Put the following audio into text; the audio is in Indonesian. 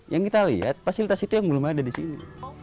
yang kita lihat fasilitas itu yang belum ada disini